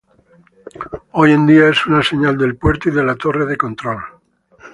Hoy en día es una señal del puerto y de la torre de control.